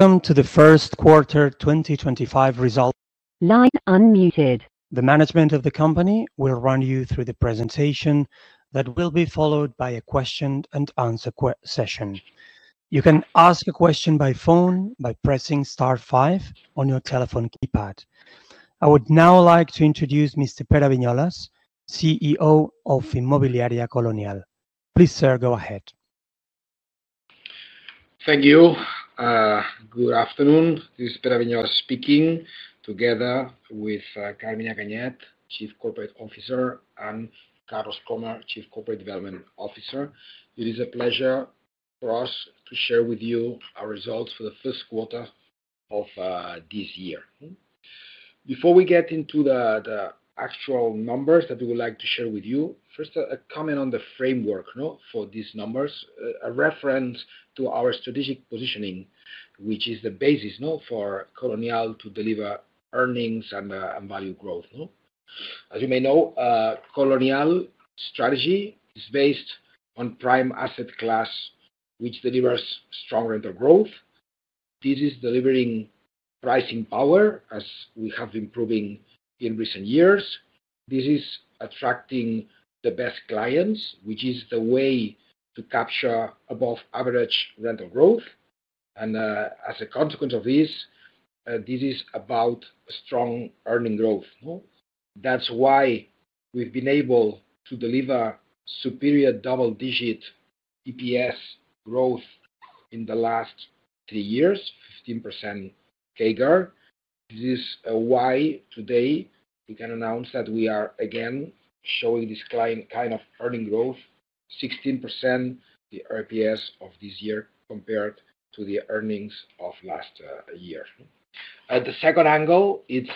Welcome to the first quarter 2025 result. Line unmuted. The management of the company will run you through the presentation that will be followed by a question-and-answer session. You can ask a question by phone by pressing star five on your telephone keypad. I would now like to introduce Mr. Pere Viñolas, CEO of Inmobiliaria Colonial. Please, sir, go ahead. Thank you. Good afternoon. This is Pere Viñolas speaking together with Carmina Ganyet, Chief Corporate Officer, and Carlos Krohmer, Chief Corporate Development Officer. It is a pleasure for us to share with you our results for the first quarter of this year. Before we get into the actual numbers that we would like to share with you, first, a comment on the framework for these numbers, a reference to our strategic positioning, which is the basis for Colonial to deliver earnings and value growth. As you may know, Colonial's strategy is based on prime asset class, which delivers strong rental growth. This is delivering pricing power, as we have been proving in recent years. This is attracting the best clients, which is the way to capture above-average rental growth. As a consequence of this, this is about strong earning growth. That's why we've been able to deliver superior double-digit EPS growth in the last three years, 15% CAGR. This is why today we can announce that we are again showing this kind of earning growth, 16% the EPS of this year compared to the earnings of last year. The second angle is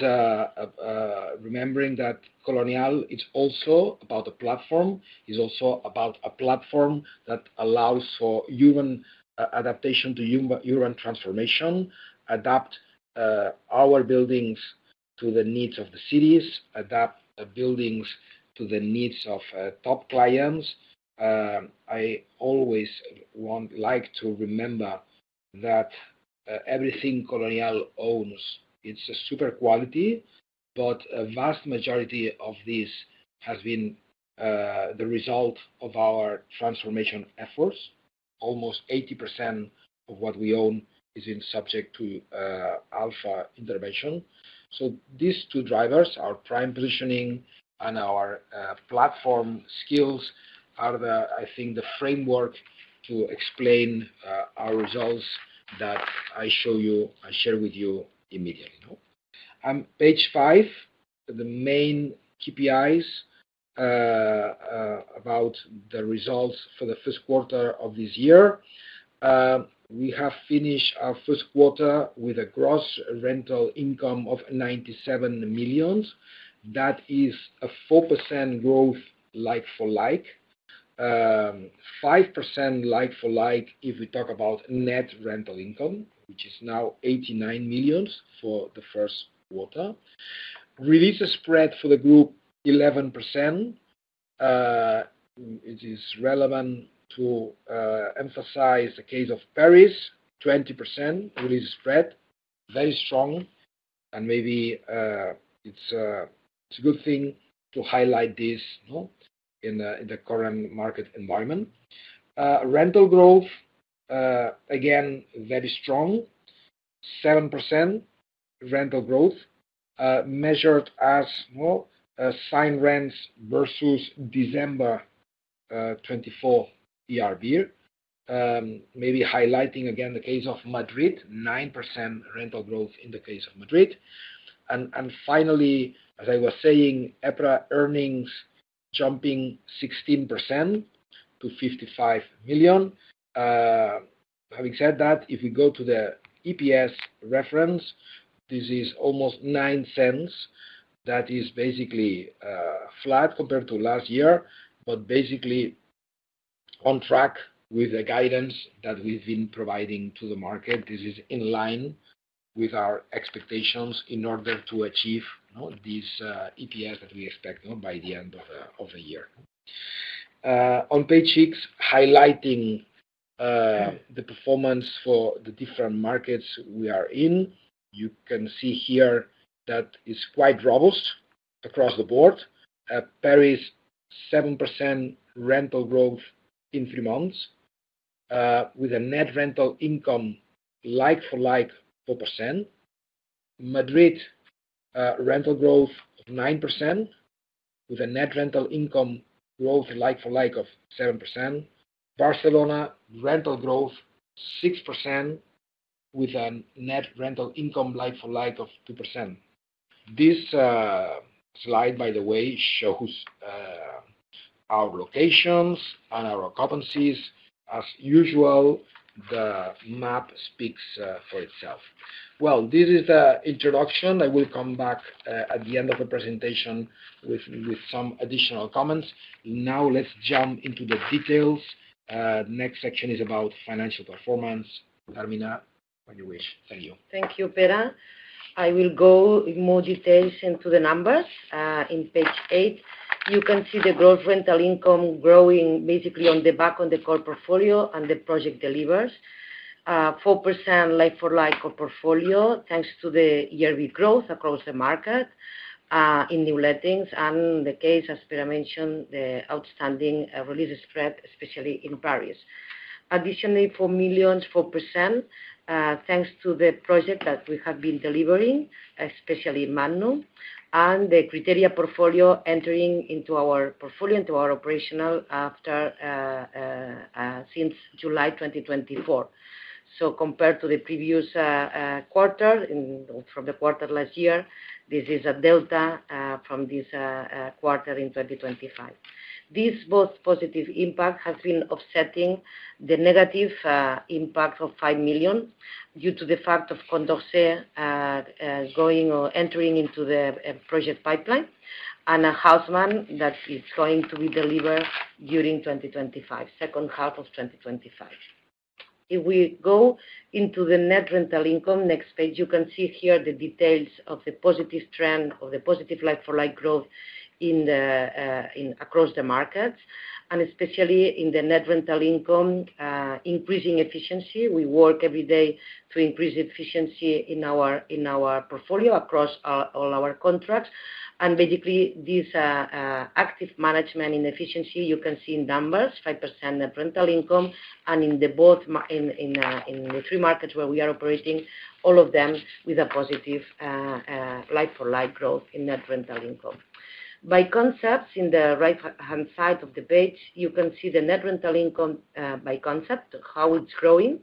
remembering that Colonial is also about a platform. It's also about a platform that allows for human adaptation to human transformation, adapt our buildings to the needs of the cities, adapt buildings to the needs of top clients. I always like to remember that everything Colonial owns, it's a super quality, but a vast majority of this has been the result of our transformation efforts. Almost 80% of what we own is being subject to Alpha intervention. These two drivers, our prime positioning and our platform skills, are the, I think, the framework to explain our results that I show you and share with you immediately. On page five, the main KPIs about the results for the first quarter of this year. We have finished our first quarter with a gross rental income of 97 million. That is a 4% growth like-for-like, 5% like-for-like if we talk about net rental income, which is now 89 million for the first quarter. Release spread for the group, 11%. It is relevant to emphasize the case of Paris, 20% release spread, very strong. Maybe it is a good thing to highlight this in the current market environment. Rental growth, again, very strong, 7% rental growth measured as signed rents versus December 2024 ERV, maybe highlighting again the case of Madrid, 9% rental growth in the case of Madrid. Finally, as I was saying, EPRA earnings jumping 16% to 55 million. Having said that, if we go to the EPS reference, this is almost 0.09. That is basically flat compared to last year, but basically on track with the guidance that we've been providing to the market. This is in line with our expectations in order to achieve this EPS that we expect by the end of the year. On page six, highlighting the performance for the different markets we are in, you can see here that it's quite robust across the board. Paris, 7% rental growth in three months with a net rental income like-for-like 4%. Madrid, rental growth of 9% with a net rental income growth like-for-like of 7%. Barcelona, rental growth 6% with a net rental income like-for-like of 2%. This slide, by the way, shows our locations and our occupancies. As usual, the map speaks for itself. This is the introduction. I will come back at the end of the presentation with some additional comments. Now let's jump into the details. Next section is about financial performance. Carmina, when you wish. Thank you. Thank you, Pere. I will go in more detail into the numbers. In page eight, you can see the gross rental income growing basically on the back of the core portfolio and the project delivers. 4% like-for-like core portfolio thanks to the yearly growth across the market in new lettings. In the case, as Pere mentioned, the outstanding release spread, especially in Paris. Additionally, 4 million, 4%, thanks to the project that we have been delivering, especially Magnum, and the Criteria portfolio entering into our portfolio, into our operational since July 2024. Compared to the previous quarter from the quarter last year, this is a delta from this quarter in 2025. This both positive impact has been offsetting the negative impact of 5 million due to the fact of Condorcet going or entering into the project pipeline and a Haussmann that is going to be delivered during 2025, second half of 2025. If we go into the net rental income, next page, you can see here the details of the positive trend of the positive like-for-like growth across the markets, and especially in the net rental income, increasing efficiency. We work every day to increase efficiency in our portfolio across all our contracts. Basically, this active management in efficiency, you can see in numbers, 5% net rental income, and in the three markets where we are operating, all of them with a positive like-for-like growth in net rental income. By concepts, in the right-hand side of the page, you can see the net rental income by concept, how it's growing,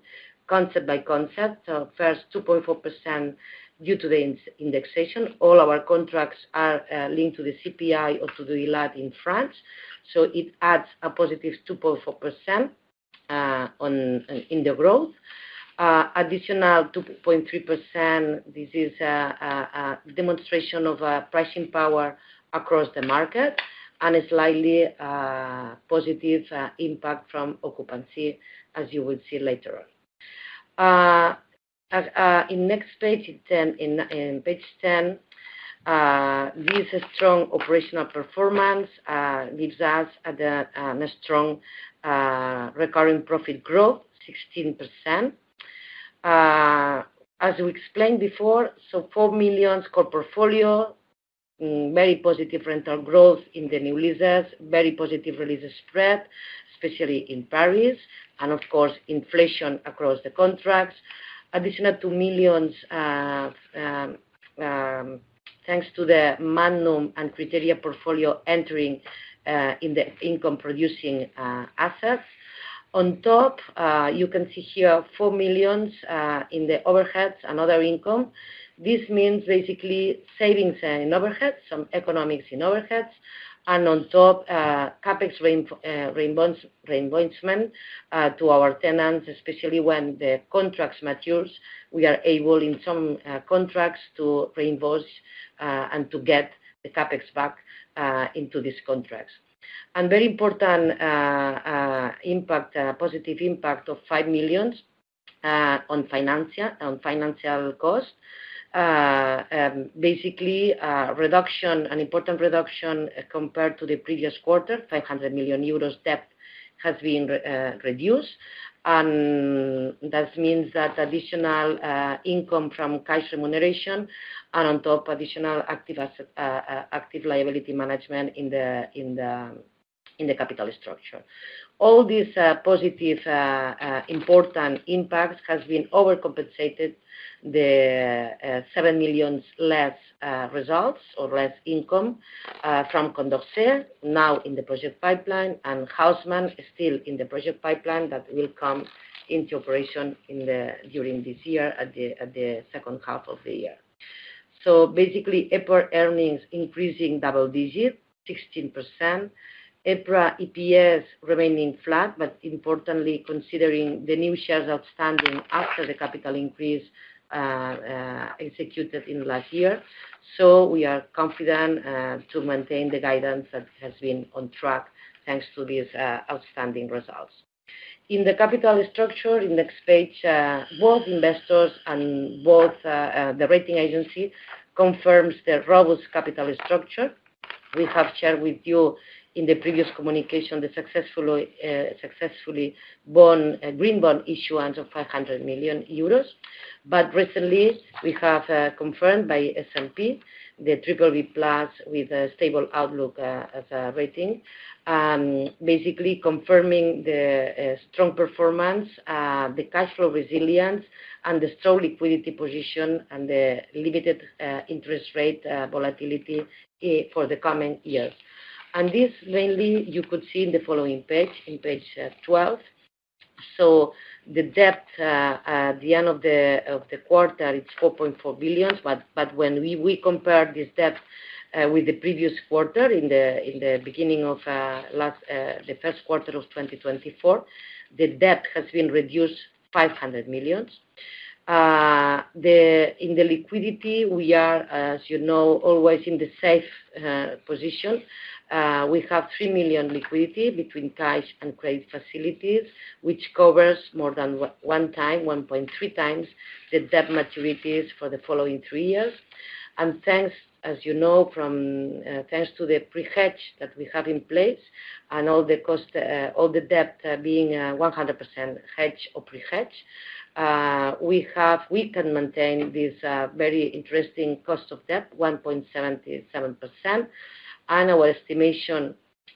concept by concept. First, 2.4% due to the indexation. All our contracts are linked to the CPI or to the ILAT in France. It adds a positive 2.4% in the growth. Additional 2.3%, this is a demonstration of pricing power across the market and a slightly positive impact from occupancy, as you will see later on. In next page, in page 10, this strong operational performance gives us a strong recurring profit growth, 16%. As we explained before, 4 million core portfolio, very positive rental growth in the new leases, very positive release spread, especially in Paris, and of course, inflation across the contracts. Additional 2 million thanks to the Magnum and criteria portfolio entering in the income-producing assets. On top, you can see here 4 million in the overheads and other income. This means basically savings in overheads, some economics in overheads, and on top, CapEx reinvoicement to our tenants, especially when the contracts matures. We are able in some contracts to reinvoice and to get the CapEx back into these contracts. A very important impact, positive impact of 5 million on financial cost. Basically, an important reduction compared to the previous quarter, 500 million euros debt has been reduced. That means that additional income from cash remuneration and on top, additional active liability management in the capital structure. All these positive, important impacts have been overcompensated, the 7 million less results or less income from Condorcet now in the project pipeline and Haussmann still in the project pipeline that will come into operation during this year at the second half of the year. Basically, EPRA earnings increasing double digit, 16%. EPRA EPS remaining flat, but importantly, considering the new shares outstanding after the capital increase executed in last year. We are confident to maintain the guidance that has been on track thanks to these outstanding results. In the capital structure, in the next page, both investors and both the rating agency confirm the robust capital structure. We have shared with you in the previous communication the successfully green bond issuance of 500 million euros. Recently, we have confirmed by S&P the BBB+ with a stable outlook rating, basically confirming the strong performance, the cash flow resilience, and the strong liquidity position and the limited interest rate volatility for the coming year. This mainly you could see in the following page, in page 12. The debt at the end of the quarter, it's 4.4 billion. When we compare this debt with the previous quarter, in the beginning of the first quarter of 2024, the debt has been reduced 500 million. In the liquidity, we are, as you know, always in the safe position. We have 3 million liquidity between cash and credit facilities, which covers more than one time, 1.3x the debt maturities for the following three years. Thanks, as you know, thanks to the pre-hedge that we have in place and all the debt being 100% hedge or pre-hedge, we can maintain this very interesting cost of debt, 1.77%. Our estimation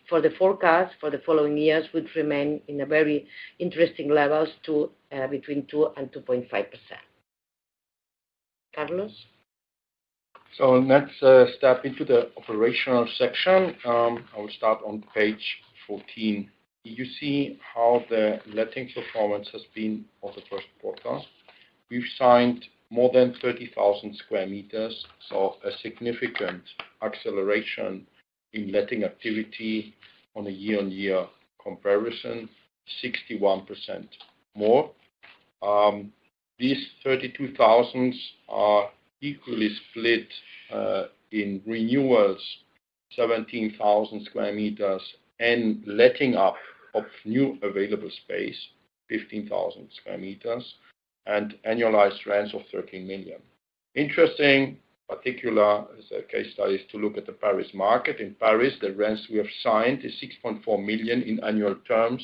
for the forecast for the following years would remain in a very interesting level between 2%-2.5%. Carlos? Let's step into the operational section. I will start on page 14. You see how the letting performance has been for the first quarter. We've signed more than 30,000 sq m, so a significant acceleration in letting activity on a year-on-year comparison, 61% more. These 32,000 are equally split in renewals, 17,000 sq m, and letting up of new available space, 15,000 sq m, and annualized rents of 13 million. Interesting, particular case studies to look at the Paris market. In Paris, the rents we have signed is 6.4 million in annual terms,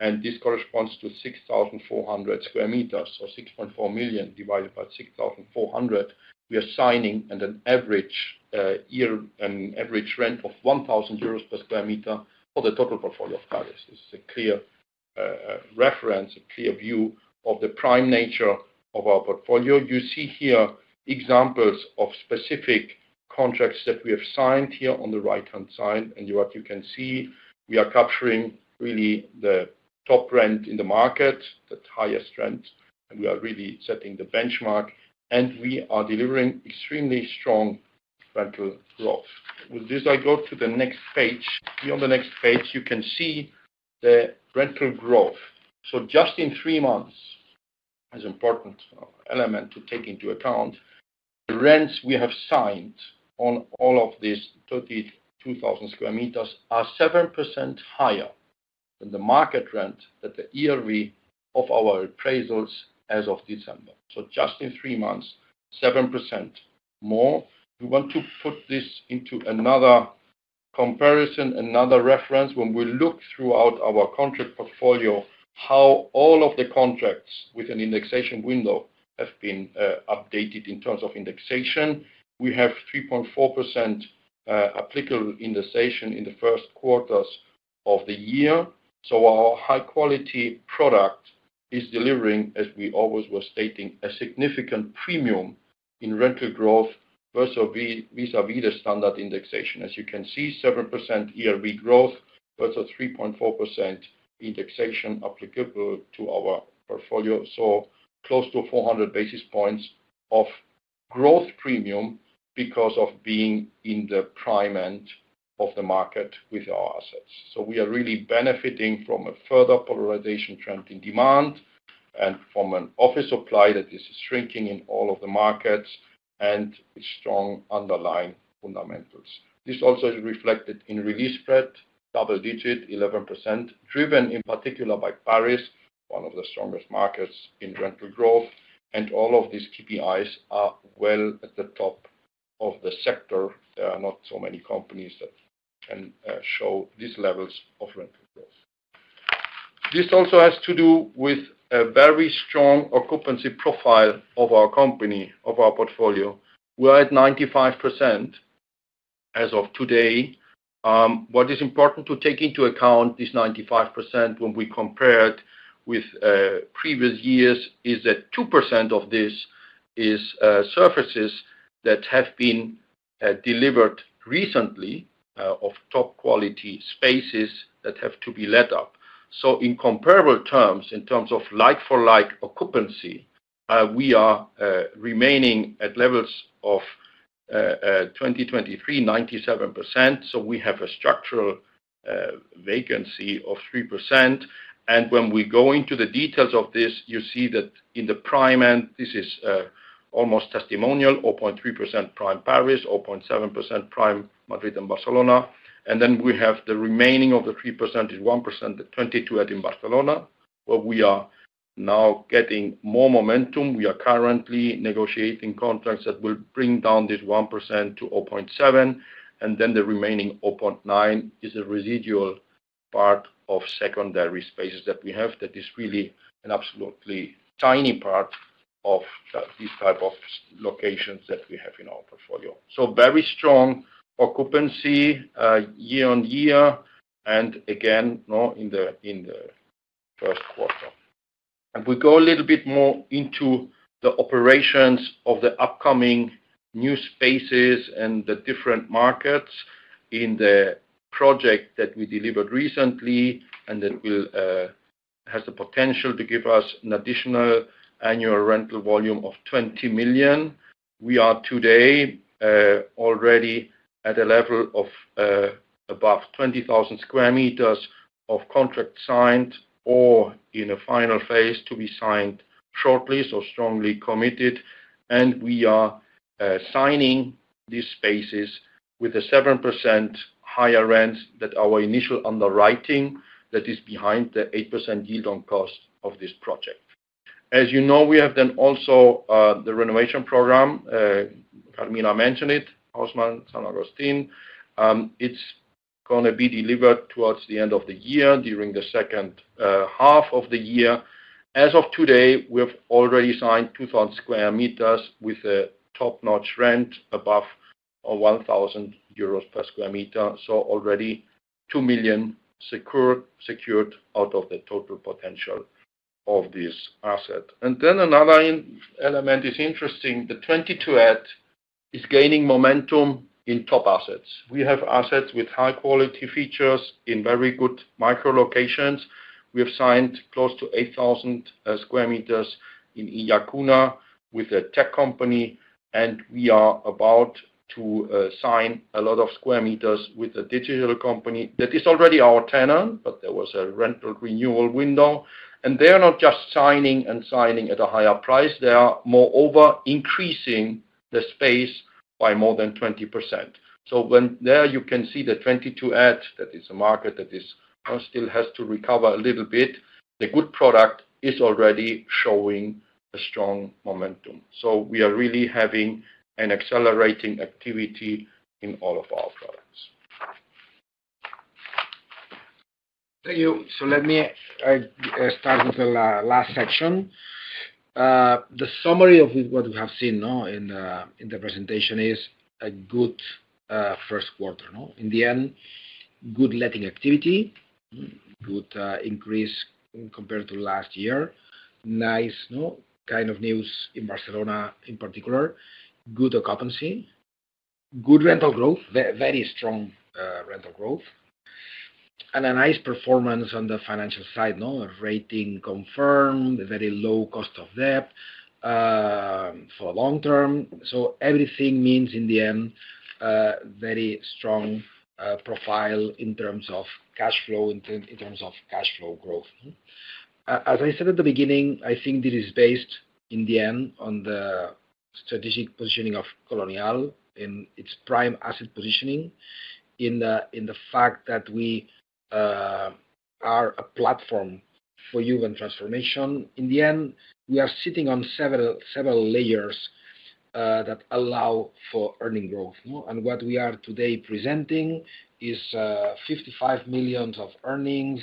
and this corresponds to 6,400 sq m. So 6.4 million divided by 6,400, we are signing an average rent of 1,000 euros per sq m for the total portfolio of Paris. This is a clear reference, a clear view of the prime nature of our portfolio. You see here examples of specific contracts that we have signed here on the right-hand side. What you can see, we are capturing really the top rent in the market, the highest rent, and we are really setting the benchmark, and we are delivering extremely strong rental growth. With this, I go to the next page. Here on the next page, you can see the rental growth. Just in three months, as an important element to take into account, the rents we have signed on all of these 32,000 sq m are 7% higher than the market rent, that the ERV of our appraisals as of December. Just in three months, 7% more. We want to put this into another comparison, another reference when we look throughout our contract portfolio, how all of the contracts with an indexation window have been updated in terms of indexation. We have 3.4% applicable indexation in the first quarters of the year. Our high-quality product is delivering, as we always were stating, a significant premium in rental growth vis-à-vis the standard indexation. As you can see, 7% ERV growth, but a 3.4% indexation applicable to our portfolio. Close to 400 basis points of growth premium because of being in the prime end of the market with our assets. We are really benefiting from a further polarization trend in demand and from an office supply that is shrinking in all of the markets and strong underlying fundamentals. This also is reflected in release spread, double digit, 11%, driven in particular by Paris, one of the strongest markets in rental growth. All of these KPIs are well at the top of the sector. There are not so many companies that can show these levels of rental growth. This also has to do with a very strong occupancy profile of our company, of our portfolio. We're at 95% as of today. What is important to take into account, this 95%, when we compare it with previous years, is that 2% of this is surfaces that have been delivered recently of top quality spaces that have to be let up. In comparable terms, in terms of like-for-like occupancy, we are remaining at levels of 2023, 97%. We have a structural vacancy of 3%. When we go into the details of this, you see that in the prime end, this is almost testimonial, 0.3% prime Paris, 0.7% prime Madrid and Barcelona. We have the remaining of the 3% as 1%, the 22@ in Barcelona, where we are now getting more momentum. We are currently negotiating contracts that will bring down this 1%-0.7%, and then the remaining 0.9% is a residual part of secondary spaces that we have that is really an absolutely tiny part of these types of locations that we have in our portfolio. Very strong occupancy year on year, again, in the first quarter. We go a little bit more into the operations of the upcoming new spaces and the different markets in the project that we delivered recently and that has the potential to give us an additional annual rental volume of 20 million. We are today already at a level of above 20,000 sq m of contract signed or in a final phase to be signed shortly, so strongly committed. We are signing these spaces with a 7% higher rent than our initial underwriting that is behind the 8% yield on cost of this project. As you know, we have then also the renovation program. Carmina mentioned it, Haussmann, San Agustin. It is going to be delivered towards the end of the year during the second half of the year. As of today, we have already signed 2,000 sq m with a top-notch rent above 1,000 euros per sq m. Already 2 million secured out of the total potential of this asset. Another element is interesting. The 22@ is gaining momentum in top assets. We have assets with high-quality features in very good micro-locations. We have signed close to 8,000 sq m in Iacuna with a tech company, and we are about to sign a lot of sq m with a digital company that is already our tenant, but there was a rental renewal window. They are not just signing and signing at a higher price. They are moreover increasing the space by more than 20%. When there you can see the 22@, that is a market that still has to recover a little bit. The good product is already showing a strong momentum. We are really having an accelerating activity in all of our products. Thank you. Let me start with the last section. The summary of what we have seen in the presentation is a good first quarter. In the end, good letting activity, good increase compared to last year, nice kind of news in Barcelona in particular, good occupancy, good rental growth, very strong rental growth, and a nice performance on the financial side, rating confirmed, very low cost of debt for the long term. Everything means in the end, very strong profile in terms of cash flow, in terms of cash flow growth. As I said at the beginning, I think this is based in the end on the strategic positioning of Colonial and its prime asset positioning in the fact that we are a platform for human transformation. In the end, we are sitting on several layers that allow for earning growth. What we are today presenting is 55 million of earnings.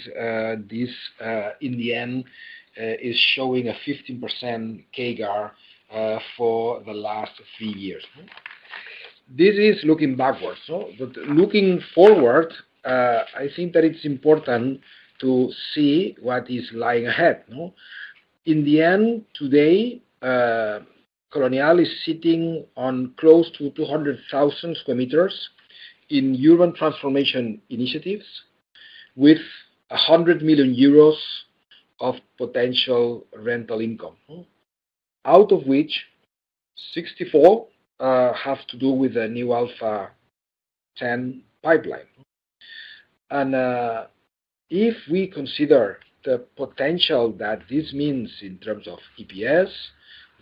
This in the end is showing a 15% CAGR for the last three years. This is looking backwards. Looking forward, I think that it's important to see what is lying ahead. In the end, today, Colonial is sitting on close to 200,000 sq m in human transformation initiatives with 100 million euros of potential rental income, out of which 64 have to do with the new Alpha 10 pipeline. If we consider the potential that this means in terms of EPS,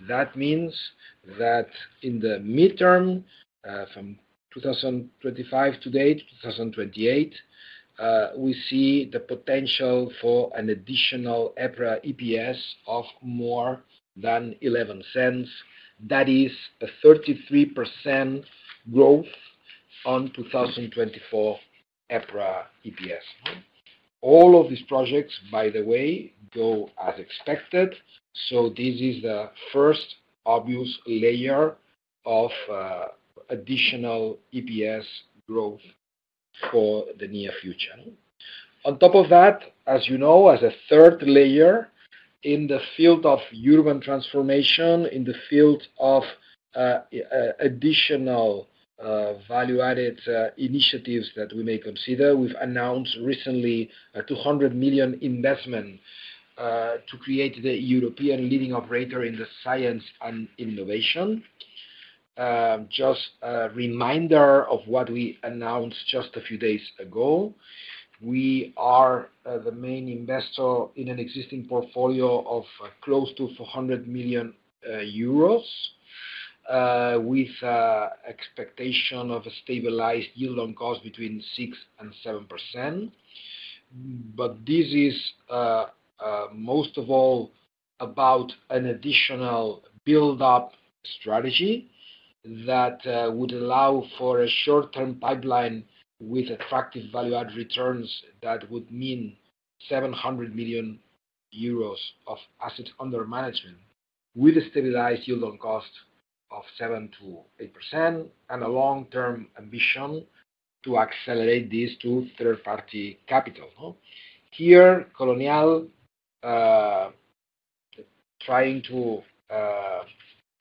that means that in the midterm from 2025-2028, we see the potential for an additional EPS of more than 0.11. That is a 33% growth on 2024 EPS. All of these projects, by the way, go as expected. This is the first obvious layer of additional EPS growth for the near future. On top of that, as you know, as a third layer in the field of urban transformation, in the field of additional value-added initiatives that we may consider, we have announced recently a 200 million investment to create the European leading operator in science and innovation. Just a reminder of what we announced just a few days ago. We are the main investor in an existing portfolio of close to 400 million euros with expectation of a stabilized yield on cost between 6% and 7%. This is most of all about an additional build-up strategy that would allow for a short-term pipeline with attractive value-added returns that would mean 700 million euros of assets under management with a stabilized yield on cost of 7%-8% and a long-term ambition to accelerate this to third-party capital. Here, Colonial trying to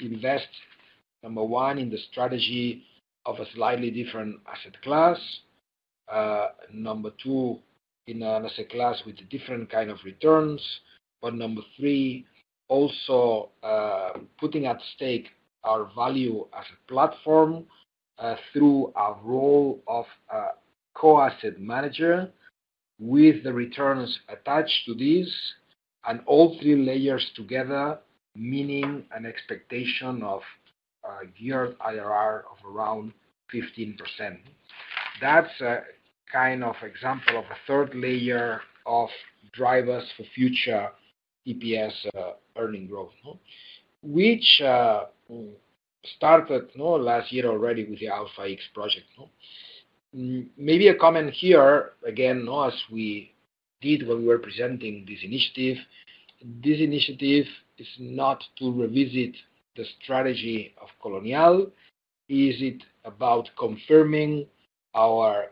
invest, number one, in the strategy of a slightly different asset class, number two, in an asset class with different kinds of returns, but number three, also putting at stake our value as a platform through our role of co-asset manager with the returns attached to this, and all three layers together meaning an expectation of geared IRR of around 15%. That's a kind of example of a third layer of drivers for future EPS earning growth, which started last year already with the Alpha X project. Maybe a comment here, again, as we did when we were presenting this initiative. This initiative is not to revisit the strategy of Colonial. Is it about confirming our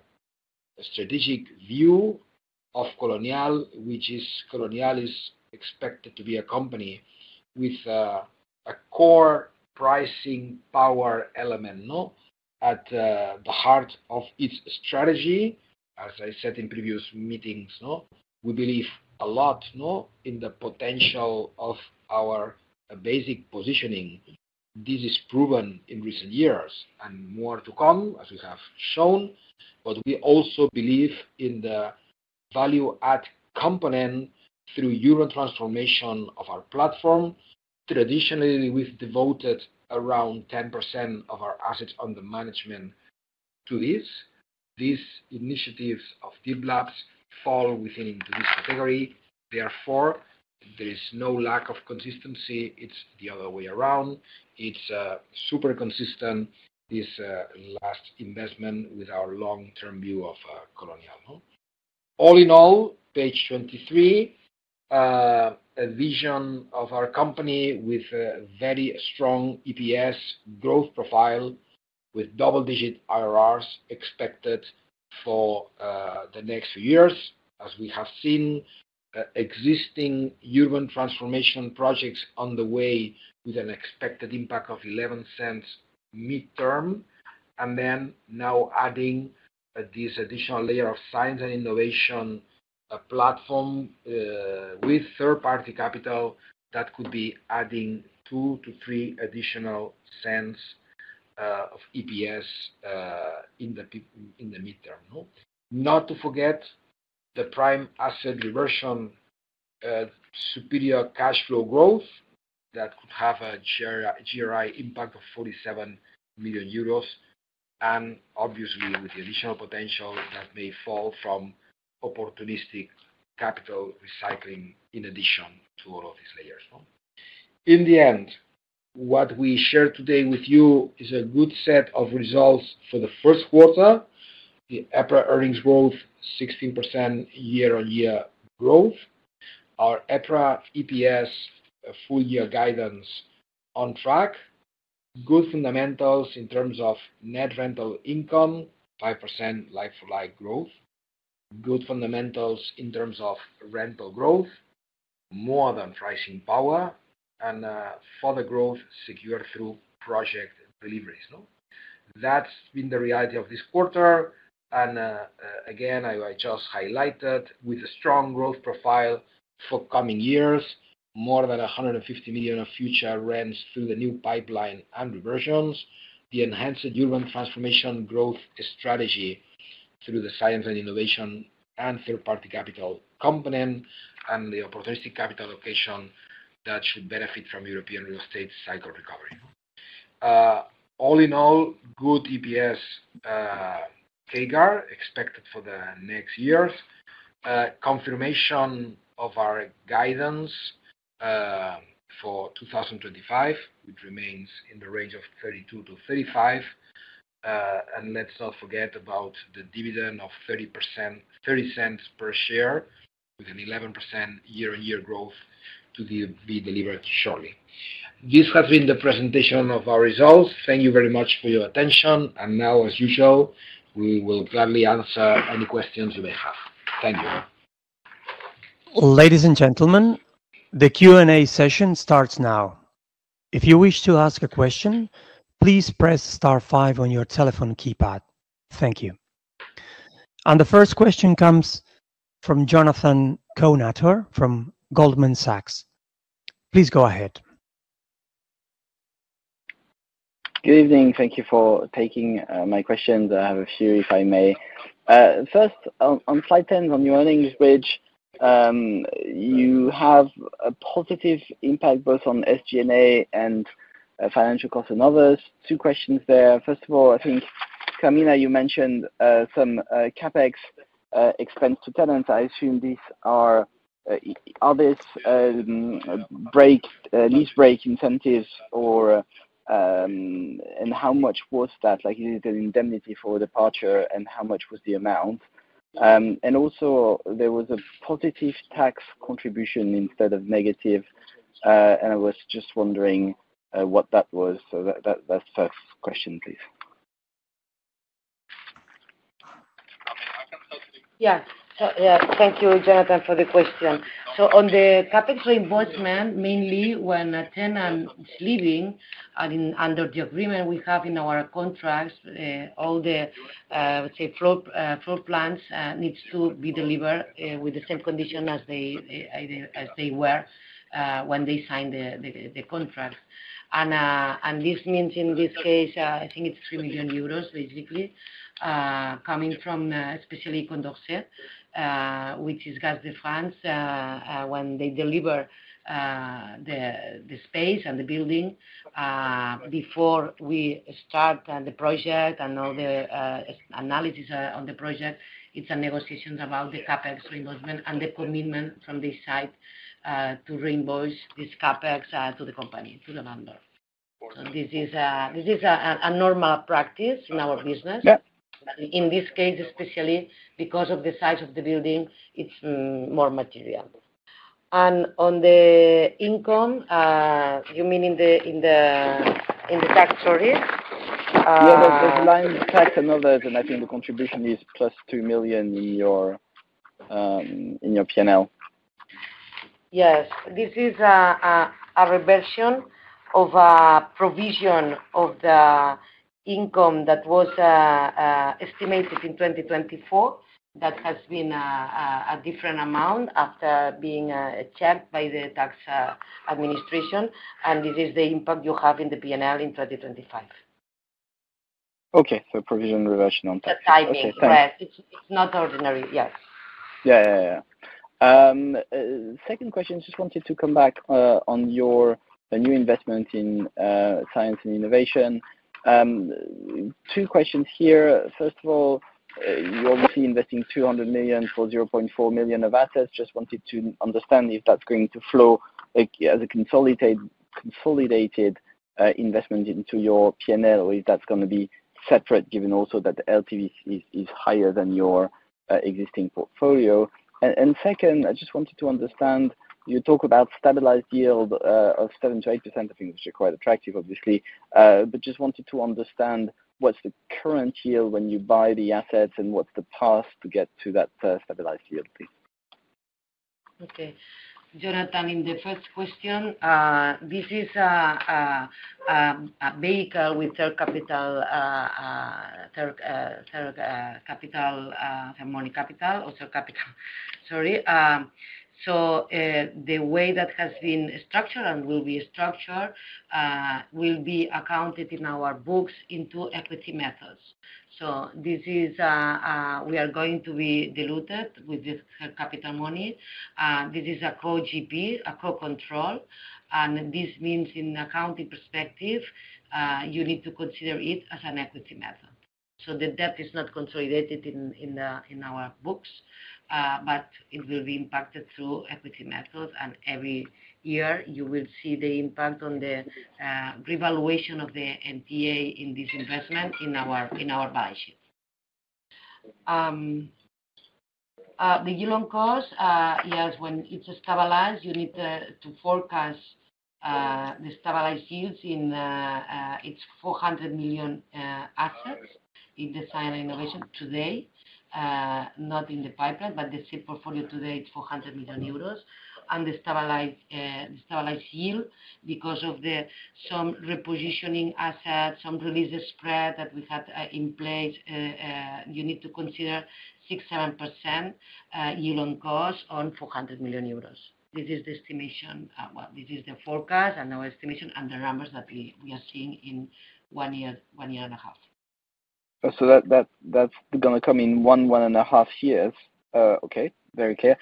strategic view of Colonial, which is Colonial is expected to be a company with a core pricing power element at the heart of its strategy? As I said in previous meetings, we believe a lot in the potential of our basic positioning. This is proven in recent years and more to come, as we have shown. We also believe in the value-add component through human transformation of our platform. Traditionally, we've devoted around 10% of our assets under management to this. These initiatives of Deep Labs fall within this category. Therefore, there is no lack of consistency. It's the other way around. It's super consistent, this last investment with our long-term view of Colonial. All in all, page 23, a vision of our company with a very strong EPS growth profile with double-digit IRRs expected for the next few years, as we have seen existing human transformation projects on the way with an expected impact of 11 cents midterm. Now adding this additional layer of science and innovation platform with third-party capital that could be adding 0.02-0.03 of EPS in the midterm. Not to forget the prime asset reversion, superior cash flow growth that could have a GRI impact of 47 million euros, and obviously with the additional potential that may fall from opportunistic capital recycling in addition to all of these layers. In the end, what we shared today with you is a good set of results for the first quarter. The EPRA earnings growth, 16% year-on-year growth. Our EPRA EPS full-year guidance on track. Good fundamentals in terms of net rental income, 5% like-for-like growth. Good fundamentals in terms of rental growth, more than pricing power, and further growth secured through project deliveries. That has been the reality of this quarter. I just highlighted with a strong growth profile for coming years, more than 150 million of future rents through the new pipeline and reversions, the enhanced human transformation growth strategy through the science and innovation and third-party capital component, and the opportunistic capital location that should benefit from European real estate cycle recovery. All in all, good EPS CAGR expected for the next years. Confirmation of our guidance for 2025, which remains in the range of 32-35. Let's not forget about the dividend of 0.30 per share with an 11% year-on-year growth to be delivered shortly. This has been the presentation of our results. Thank you very much for your attention. As usual, we will gladly answer any questions you may have. Thank you. Ladies and gentlemen, the Q&A session starts now. If you wish to ask a question, please press star five on your telephone keypad. Thank you. The first question comes from Jonathan Kownator from Goldman Sachs. Please go ahead. Good evening. Thank you for taking my questions. I have a few, if I may. First, on slide 10, on your earnings bridge, you have a positive impact both on SG&A and financial costs and others. Two questions there. First of all, I think, Carmina, you mentioned some CapEx expense to tenants. I assume these are this break, lease break incentives, or how much was that? Is it an indemnity for departure, and how much was the amount? Also, there was a positive tax contribution instead of negative. I was just wondering what that was. That is the first question, please. Yeah. Thank you, Jonathan, for the question. On the CapEx reimbursement, mainly when a tenant is leaving, and under the agreement we have in our contracts, all the floor plans need to be delivered with the same condition as they were when they signed the contract. This means in this case, I think it is 3 million euros, basically, coming from especially Condorcet, which is La Défense when they deliver the space and the building. Before we start the project and all the analysis on the project, it is a negotiation about the CapEx reimbursement and the commitment from the side to reimburse this CapEx to the company, to the vendor. This is a normal practice in our business. In this case, especially because of the size of the building, it is more material. On the income, you mean in the tax stories? Yeah, the line tax and others, and I think the contribution is plus 2 million in your P&L. Yes. This is a reversion of a provision of the income that was estimated in 2024 that has been a different amount after being checked by the tax administration. This is the impact you have in the P&L in 2025. Okay. So provision reversion on taxes. The timing. Correct. It's not ordinary. Yes. Yeah, yeah, yeah. Second question, just wanted to come back on your new investment in science and innovation. Two questions here. First of all, you're obviously investing 200 million for 0.4 million of assets. Just wanted to understand if that's going to flow as a consolidated investment into your P&L, or if that's going to be separate, given also that the LTV is higher than your existing portfolio. Second, I just wanted to understand, you talk about stabilized yield of 7%-8%, I think, which is quite attractive, obviously. Just wanted to understand what's the current yield when you buy the assets and what's the path to get to that stabilized yield, please. Okay. Jonathan, in the first question, this is a vehicle with Third Capital, or Third Capital, sorry. The way that has been structured and will be structured will be accounted in our books into equity methods. This is we are going to be diluted with the Third Capital money. This is a co-GP, a co-control. This means in accounting perspective, you need to consider it as an equity method. The debt is not consolidated in our books, but it will be impacted through equity methods. Every year, you will see the impact on the revaluation of the NTA in this investment in our balance sheet. The yield on cost, yes, when it is stabilized, you need to forecast the stabilized yields in its 400 million assets in the science and innovation today, not in the pipeline, but the SIP portfolio today, it is 400 million euros. The stabilized yield, because of some repositioning assets, some release spread that we had in place, you need to consider 6%-7% yield on cost on 400 million euros. This is the estimation. This is the forecast and our estimation and the numbers that we are seeing in one year and a half. That's going to come in one, one and a half years. Okay. Very clear.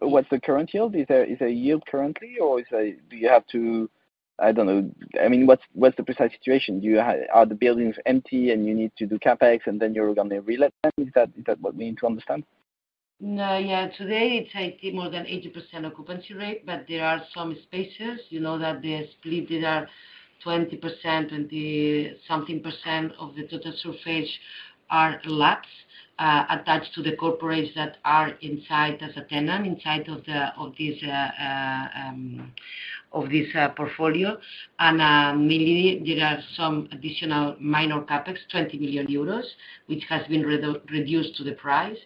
What's the current yield? Is there a yield currently, or do you have to, I don't know, I mean, what's the precise situation? Are the buildings empty and you need to do CapEx, and then you're going to relit them? Is that what we need to understand? No. Yeah. Today, it's more than 80% occupancy rate, but there are some spaces that they split that are 20%, 20-something percent of the total surface are lots attached to the corporates that are inside as a tenant inside of this portfolio. Mainly, there are some additional minor CapEx, 20 million euros, which has been reduced to the price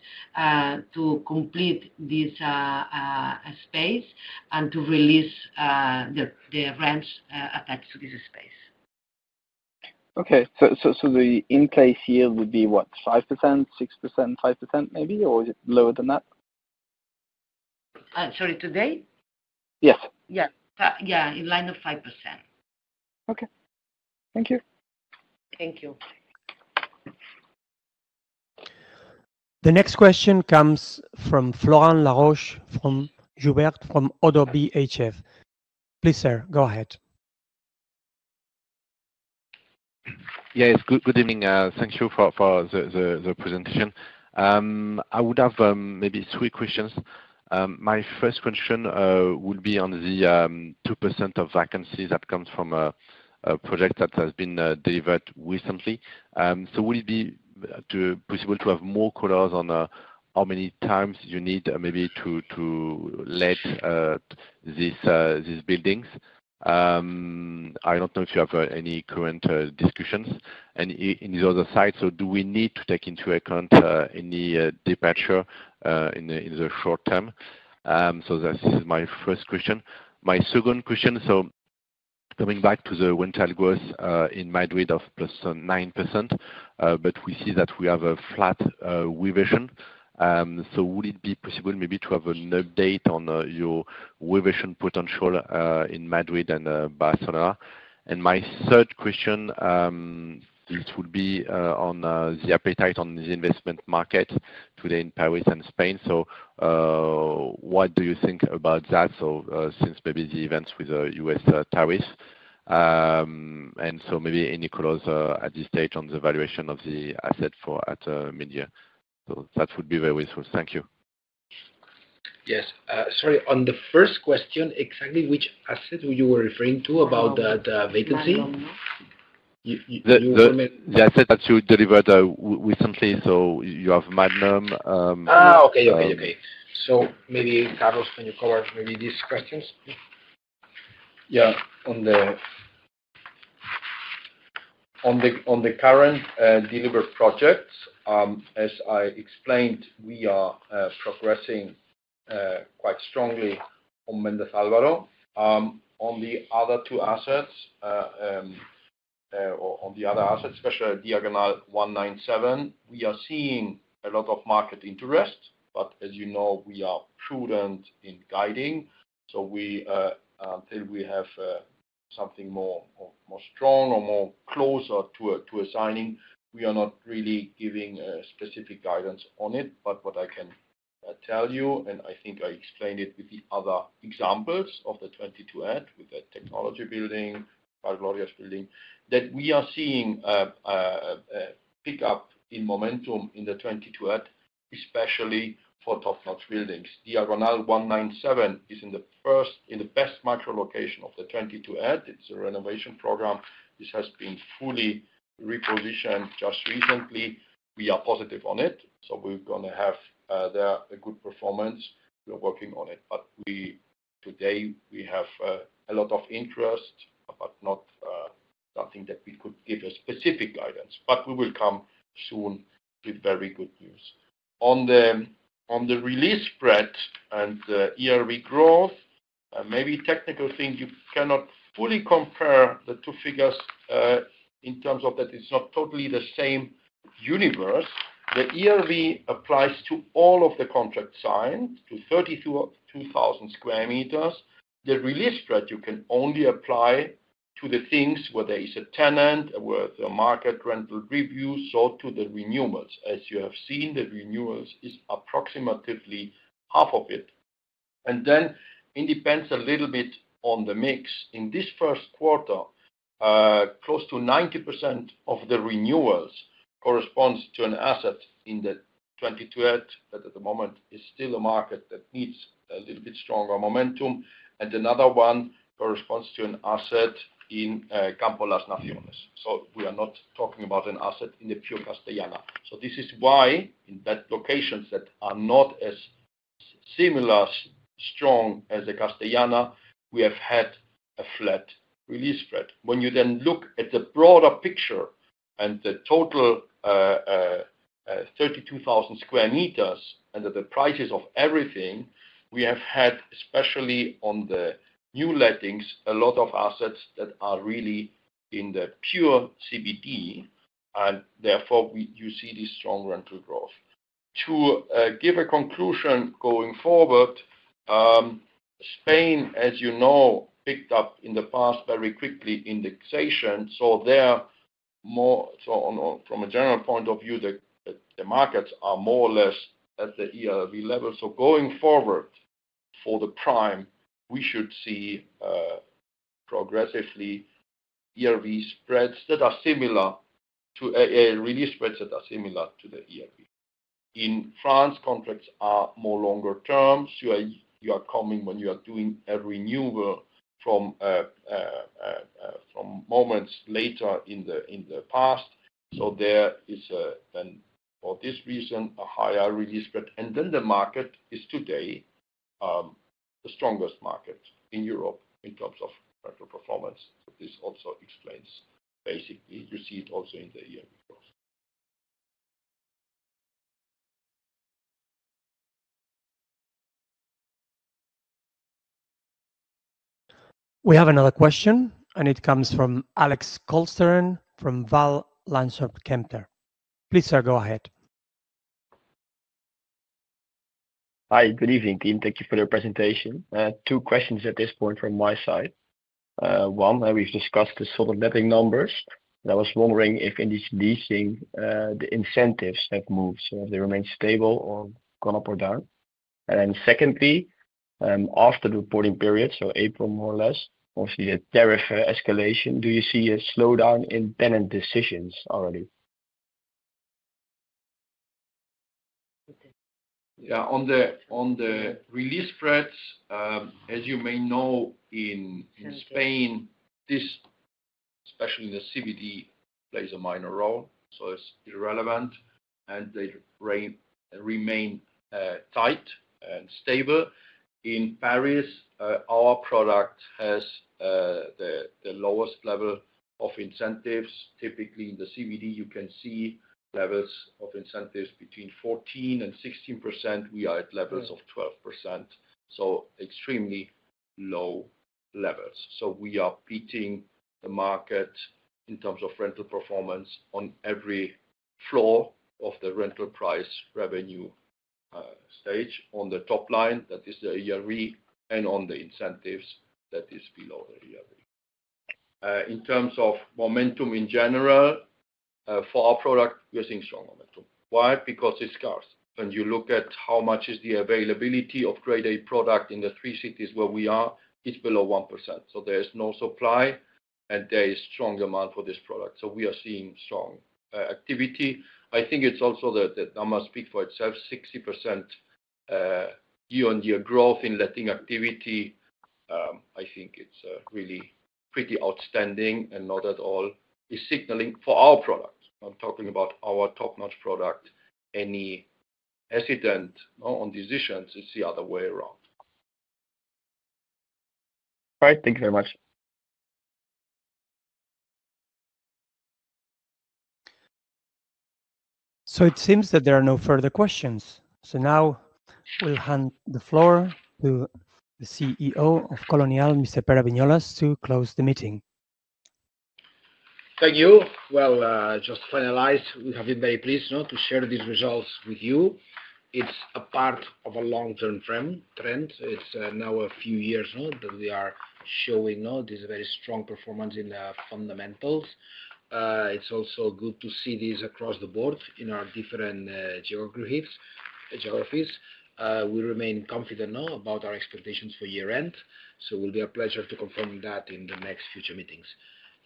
to complete this space and to release the rents attached to this space. Okay. So the in-place yield would be what, 5%, 6%, 5% maybe, or is it lower than that? Sorry, today? Yes. Yeah. Yeah. In line of 5%. Okay. Thank you. Thank you. The next question comes from Florent Laroche from ODDO BHF. Please, sir, go ahead. Yes. Good evening. Thank you for the presentation. I would have maybe three questions. My first question would be on the 2% of vacancies that comes from a project that has been delivered recently. Would it be possible to have more color on how much time you need maybe to let these buildings? I do not know if you have any current discussions on the other side. Do we need to take into account any departure in the short term? This is my first question. My second question, coming back to the rental growth in Madrid of plus 9%, but we see that we have a flat revision. Would it be possible maybe to have an update on your revision potential in Madrid and Barcelona? My third question would be on the appetite in the investment market today in Paris and Spain. What do you think about that? Since maybe the events with the U.S. tariffs, maybe any colors at this stage on the valuation of the asset for at midyear? That would be very useful. Thank you. Yes. Sorry. On the first question, exactly which asset you were referring to about the vacancy? The asset that you delivered recently. You have Magnum? Okay, okay, okay. Maybe Carlos, can you cover maybe these questions? Yeah. On the current delivered projects, as I explained, we are progressing quite strongly on Mendez Álvaro. On the other assets, especially Diagonal 197, we are seeing a lot of market interest. As you know, we are prudent in guiding. Until we have something more strong or more closer to a signing, we are not really giving specific guidance on it. What I can tell you, and I think I explained it with the other examples of the 22@ with the technology building, Pare Glorias building, that we are seeing a pickup in momentum in the 22@, especially for top-notch buildings. Diagonal 197 is in the best micro-location of the 22@. It is a renovation program. This has been fully repositioned just recently. We are positive on it. We are going to have there a good performance. We are working on it. Today, we have a lot of interest, but not something that we could give a specific guidance. We will come soon with very good news. On the release spread and the ERV growth, maybe technical thing, you cannot fully compare the two figures in terms of that it's not totally the same universe. The ERV applies to all of the contracts signed to 32,000 sq m. The release spread, you can only apply to the things where there is a tenant, where the market rental review, so to the renewals. As you have seen, the renewals is approximately half of it. It depends a little bit on the mix. In this first quarter, close to 90% of the renewals corresponds to an asset in the 22@ that at the moment is still a market that needs a little bit stronger momentum. Another one corresponds to an asset in Campo de las Naciones. We are not talking about an asset in the pure Castellana. This is why in locations that are not as similarly strong as the Castellana, we have had a flat release spread. When you look at the broader picture and the total 32,000 sq m and the prices of everything, we have had, especially on the new lettings, a lot of assets that are really in the pure CBD. Therefore, you see this strong rental growth. To give a conclusion going forward, Spain, as you know, picked up in the past very quickly indexation. From a general point of view, the markets are more or less at the ERV level. Going forward for the prime, we should see progressively ERV spreads that are similar to a release spread that are similar to the ERV. In France, contracts are more longer terms. You are coming when you are doing a renewal from moments later in the past. For this reason, there is a higher release spread. The market is today the strongest market in Europe in terms of rental performance. This also explains basically. You see it also in the ERV growth. We have another question, and it comes from Alex Kolsteren from Van Lanschot Kempen. Please, sir, go ahead. Hi. Good evening, Pere. Thank you for the presentation. Two questions at this point from my side. One, we've discussed the sort of letting numbers. I was wondering if in this leasing, the incentives have moved, so have they remained stable or gone up or down? Secondly, after the reporting period, so April more or less, obviously the tariff escalation, do you see a slowdown in tenant decisions already? Yeah. On the release spreads, as you may know, in Spain, especially in the CBD, plays a minor role. So it's irrelevant. They remain tight and stable. In Paris, our product has the lowest level of incentives. Typically, in the CBD, you can see levels of incentives between 14%-16%. We are at levels of 12%. Extremely low levels. We are beating the market in terms of rental performance on every floor of the rental price revenue stage. On the top line, that is the ERV, and on the incentives, that is below the ERV. In terms of momentum in general, for our product, we are seeing strong momentum. Why? Because it's scarce. When you look at how much is the availability of grade A product in the three cities where we are, it's below 1%. There is no supply, and there is strong demand for this product. We are seeing strong activity. I think it's also that the numbers speak for themselves. 60% year-on-year growth in letting activity, I think it's really pretty outstanding and not at all signaling for our product. I'm talking about our top-notch product. Any hesitant on decisions is the other way around. All right. Thank you very much. It seems that there are no further questions. Now we'll hand the floor to the CEO of Colonial, Mr. Pere Viñolas, to close the meeting. Thank you. Just to finalize, we have been very pleased to share these results with you. It is a part of a long-term trend. It is now a few years that we are showing this very strong performance in the fundamentals. It is also good to see this across the board in our different geographies. We remain confident about our expectations for year-end. It will be a pleasure to confirm that in the next future meetings.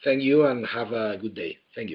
Thank you and have a good day. Thank you.